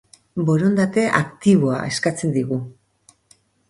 Borondate aktiboa eskatzen digu.